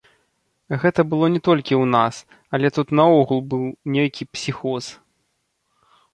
Гэта было не толькі ў нас, але тут наогул быў нейкі псіхоз.